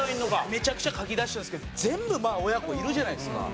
めちゃくちゃ書き出してるんですけど全部まあ親子いるじゃないですか。